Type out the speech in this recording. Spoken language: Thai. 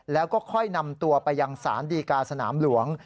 แล้วก็ค่อยนำตัวไปยังศาลดีกาสนามหลวง